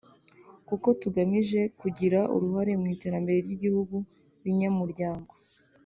kuko tugamije kugira uruhare mu iterambere ry’ibihugu binyamuryango